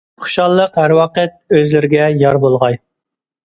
خۇشاللىق ھەر ۋاقىت ئۆزلىرىگە يار بولغاي!